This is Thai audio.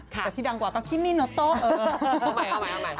แต่ที่ดังกว่าต้องคิมินโอโต๊ะ